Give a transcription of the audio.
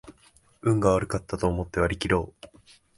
運が悪かったと思って割りきろう